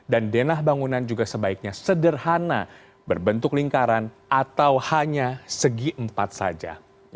dan denah bangunan juga sebaiknya sederhana berbentuk lingkaran atau hanya segi empat saja